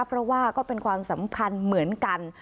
เพราะว่าก็เป็นความสำคัญเหมือนกัน